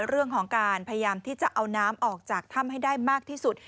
เรื่องของการพยายามที่จะเอาน้ำออกจากถ้ำให้ได้มากที่สุด